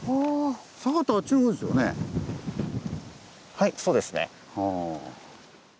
はいそうですね。